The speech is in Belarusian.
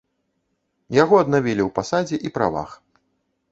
Яго аднавілі ў пасадзе і правах.